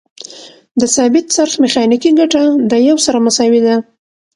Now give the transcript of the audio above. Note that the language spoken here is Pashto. د ثابت څرخ میخانیکي ګټه د یو سره مساوي ده.